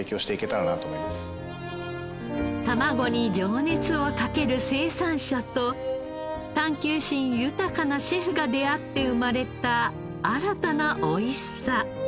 たまごに情熱をかける生産者と探究心豊かなシェフが出会って生まれた新たなおいしさ。